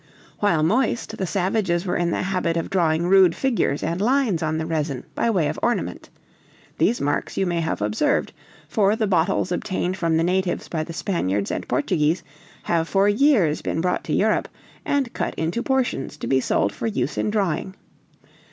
While moist, the savages were in the habit of drawing rude figures and lines on the resin by way of ornament; these marks you may have observed, for the bottles obtained from the natives by the Spaniards and Portuguese have for years been brought to Europe, and cut into portions to be sold for use in drawing.